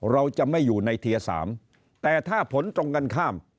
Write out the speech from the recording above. เราจะไม่อยู่ในเทียร์๓แต่ถ้าผลตรงกันข้าม